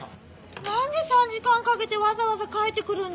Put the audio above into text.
何で３時間かけてわざわざ帰ってくるんですか？